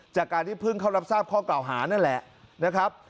จากการที่เพิ่งเข้ารับทราบข้อเก่าหานั่นแหละนะครับ